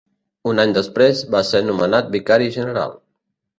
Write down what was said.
Un any després, va ser nomenat Vicari general.